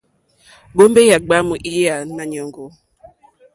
Ŋgombe yà gbàamù lyà Nàanyòŋgò.